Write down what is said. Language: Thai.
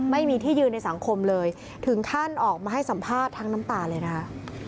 ไม่มีที่ยืนในสังคมเลยถึงขั้นออกมาให้สัมภาษณ์ทั้งน้ำตาเลยนะคะ